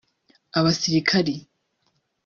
abasirikari